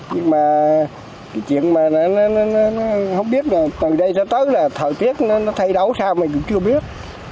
nhưng mà cái chuyện mà nó không biết là từ đây nó tới là thời tiết nó thay đấu sao mình cũng chưa biết